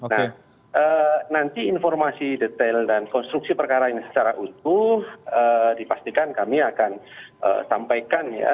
nah nanti informasi detail dan konstruksi perkara ini secara utuh dipastikan kami akan sampaikan ya